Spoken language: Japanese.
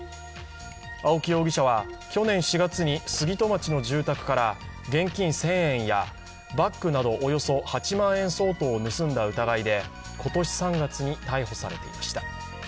青木容疑者は、去年４月に杉戸町の住宅から、現金１０００円やバッグなどおよそ８万円相当を盗んだ疑いで今年３月に逮捕されていました。